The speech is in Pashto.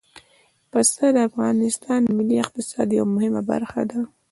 پسه د افغانستان د ملي اقتصاد یوه مهمه برخه ده.